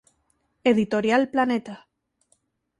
Editorial Planeta.